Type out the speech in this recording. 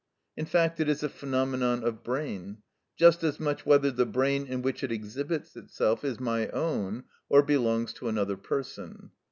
In fact, it is a phenomenon of brain, just as much whether the brain in which it exhibits itself is my own or belongs to another person.